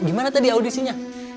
gimana tadi audisinya